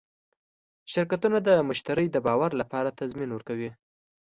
شرکتونه د مشتری د باور لپاره تضمین ورکوي.